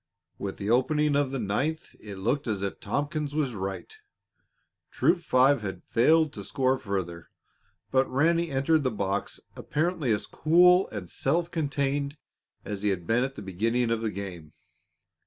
With the opening of the ninth it looked as if Tompkins was right. Troop Five had failed to score further, but Ranny entered the box apparently as cool and self contained as he had been at the beginning of the game.